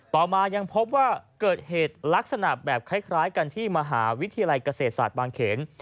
ต่อมายังพบว่าเกิดเหตุลักษณะแบบคล้ายกันที่มหาวิทยาลัยเกษตรศาสตร์บางเขน